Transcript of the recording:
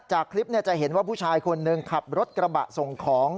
จากคลิปจะเห็นว่าผู้ชายคนหนึ่งขับรถกระบะส่งของ